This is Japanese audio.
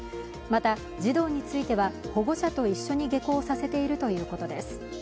また、児童については保護者と一緒に下校させているということです。